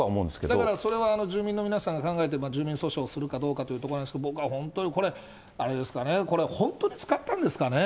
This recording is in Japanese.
だから、それは住民の皆さんが考えて、住民訴訟をするかどうかというところなんですけど、僕は本当にこれ、あれですかね、これ本当に使ったんですかね。